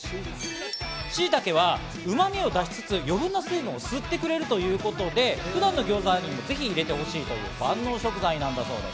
しいたけはうまみを出しつつ、余分な水分を吸ってくれるということで普段のギョーザにもぜひ入れてほしい万能食材だそうです。